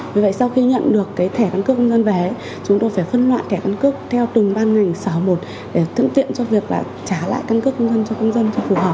vì vậy sau khi nhận được thẻ căn cước công dân về chúng tôi phải phân loại thẻ căn cước theo từng ban ngành sở một để tự tiện cho việc trả lại căn cước công dân